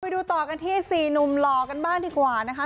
ดูต่อกันที่๔หนุ่มหล่อกันบ้างดีกว่านะคะ